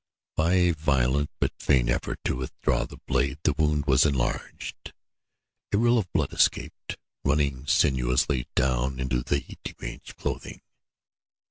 By a violent but vain effort to withdraw the blade the wound was enlarged; a rill of blood escaped, running sinuously down into the deranged clothing.